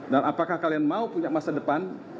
dan apakah kalian mau punya masa depan